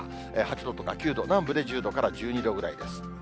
８度とか９度、南部で１０度から１２度ぐらいです。